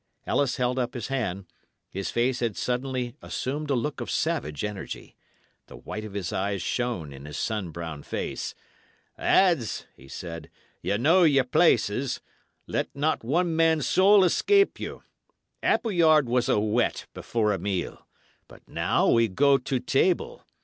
Ellis held up his hand; his face had suddenly assumed a look of savage energy; the white of his eyes shone in his sun brown face. "Lads," he said, "ye know your places. Let not one man's soul escape you. Appleyard was a whet before a meal; but now we go to table.